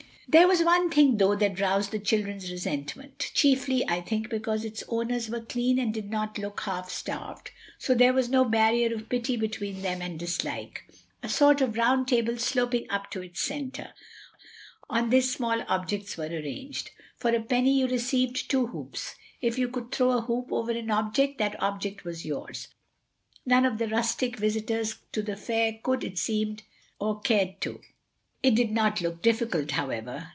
There was one thing, though, that roused the children's resentment—chiefly, I think, because its owners were clean and did not look half starved, so there was no barrier of pity between them and dislike—a sort of round table sloping up to its center. On this small objects were arranged. For a penny you received two hoops. If you could throw a hoop over an object that object was yours. None of the rustic visitors to the fair could, it seemed, or cared to. It did not look difficult, however.